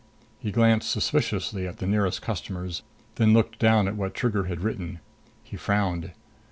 He glanced suspiciously at the nearest customers, then looked down at what Trigger had written. He frowned.